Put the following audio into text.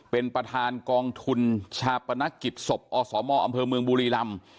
เป็นประธานกองทุนชาปนกิจศพอสมอำเภอเมืองบุรีรำ